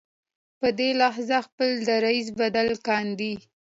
په دې لحاظ خپل دریځ بدل کاندي.